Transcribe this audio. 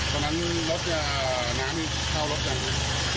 ตอนนั้นรถน้ำนี่เข้ารถยังไหม